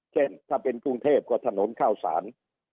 เช่นถ้าเป็นกรุงเทพก็ถนนข้าวสาร